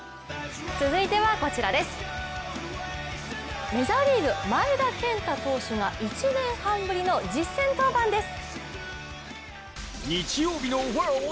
続いては、メジャーリーグ前田健太選手が１年半ぶりの実戦登板です。